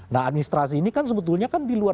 nah administrasi ini kan sebetulnya kan